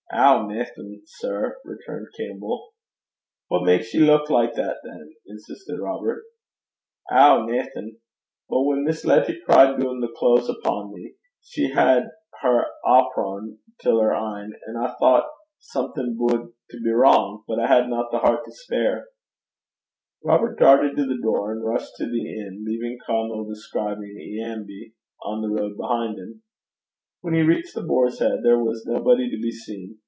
'Ow, naething, sir,' returned Campbell. 'What gars ye look like that, than?' insisted Robert. 'Ow, naething. But whan Miss Letty cried doon the close upo' me, she had her awpron till her een, an' I thocht something bude to be wrang; but I hadna the hert to speir.' Robert darted to the door, and rushed to the inn, leaving Caumill describing iambi on the road behind him. When he reached The Boar's Head there was nobody to be seen.